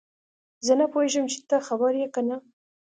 زه نه پوهیږم چې ته خبر یې که نه